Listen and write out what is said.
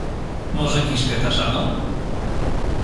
Może kiszkę kaszaną?